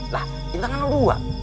lah itu tangan lu gua